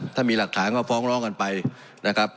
ถ้ามีหลักฐานก็ฟ้องร้องกันไปนะครับ